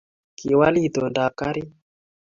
kiwal itondab karit